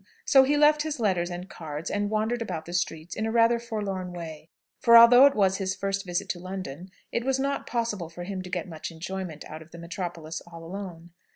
So he left his letters and cards, and wandered about the streets in a rather forlorn way; for although it was his first visit to London, it was not possible for him to get much enjoyment out of the metropolis, all alone.